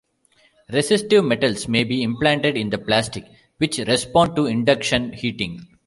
Resistive metals may be implanted in the plastic, which respond to induction heating.